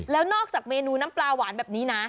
แล้วนอกจากเมนูน้ำปลาหวานแบบนี้นะ